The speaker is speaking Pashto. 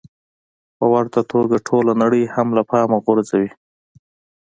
په ورته توګه ټوله نړۍ هم له پامه غورځوي.